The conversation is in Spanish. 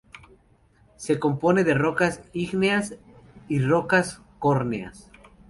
Se compone de rocas ígneas y rocas córneas.